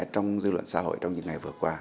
trong dư luận xã hội trong những ngày vừa qua